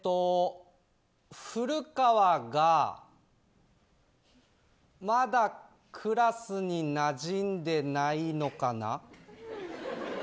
古川が、まだクラスに馴染んでないのかな。